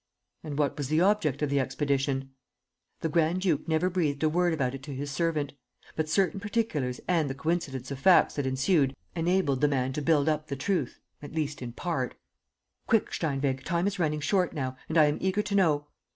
"And what was the object of the expedition?" "The grand duke never breathed a word about it to his servant. But certain particulars and the coincidence of facts that ensued enabled the man to build up the truth, at least, in part." "Quick, Steinweg, time is running short now: and I am eager to know."